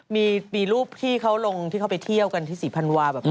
มีรูปที่เขาไปเที่ยวกันที่สีพันวา